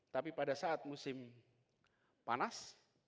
tapi pada saat musim panas